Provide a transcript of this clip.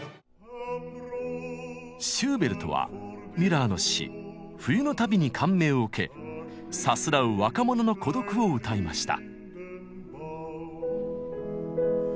シューベルトはミュラーの詩「冬の旅」に感銘を受けさすらう若者の孤独を歌いました。